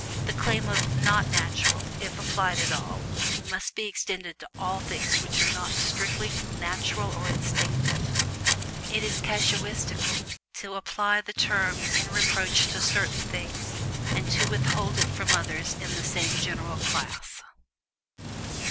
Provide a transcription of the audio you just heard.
The claim of "not natural," if applied at all, must be extended to ALL things which are not strictly "natural" or instinctive it is casuistical to apply the term in reproach to certain things and to withhold it from others in the same general class.